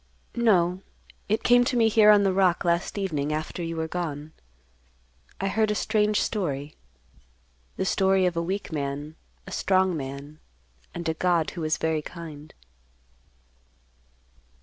"No. It came to me here on the rock last evening after you were gone. I heard a strange story; the story of a weak man, a strong man, and a God who was very kind."